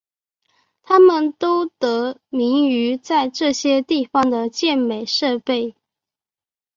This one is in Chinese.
它们都得名于在这些地方的健美设备。